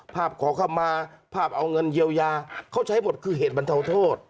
ขอเข้ามาภาพเอาเงินเยียวยาเขาใช้หมดคือเหตุบรรเทาโทษ